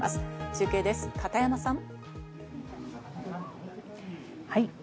中継です、片山さん。